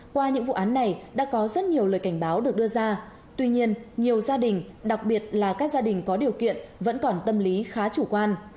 qua những vụ án này đã có rất nhiều lời cảnh báo được đưa ra tuy nhiên nhiều gia đình đặc biệt là các gia đình có điều kiện vẫn còn tâm lý khá chủ quan